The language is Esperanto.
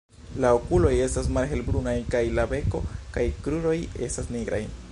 La okuloj estas malhelbrunaj kaj la beko kaj kruroj estas nigraj.